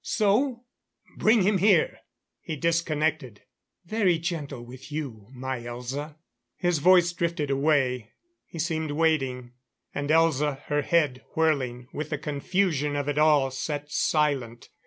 "So? Bring him here." He disconnected. "...very gentle with you, my Elza " His voice drifted away. He seemed waiting; and Elza, her head whirling with the confusion of it all, sat silent.